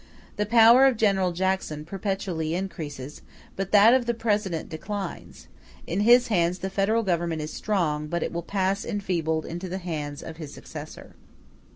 The power of General Jackson perpetually increases; but that of the President declines; in his hands the Federal Government is strong, but it will pass enfeebled into the hands of his successor.